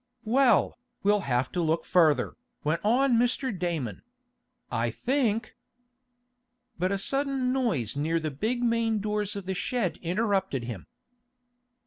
"Well, we'll have to look further," went on Mr. Damon. "I think " But a sudden noise near the big main doors of the shed interrupted him.